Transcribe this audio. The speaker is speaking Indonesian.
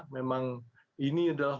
memang ini adalah